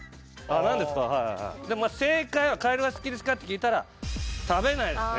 正解は「カエルが好きですか？」って聞いたら「食べないですね」